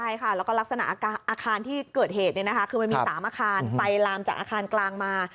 ใช่ค่ะแล้วก็ลักษณะอาคารที่เกิดเหตุคือมันมี๓อาคารไฟลามจากอาคารกลางมา